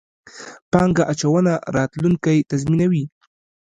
پانګه اچونه، راتلونکی تضمینوئ